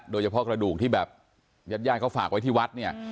โดยเฉพาะกระดูกที่แบบยาดเขาฝากไว้ที่วัดเนี่ย